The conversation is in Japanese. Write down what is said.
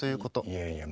いやいや。